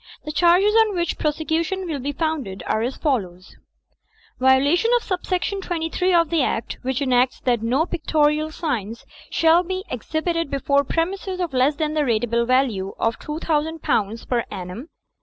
The charges on which prosecution will be founded are as follows: (i) Violation of sub section 23/ of the Act, which enacts that no pictorial signs shall be exhibited before premises of less than the ratable value of £2000 per aimum.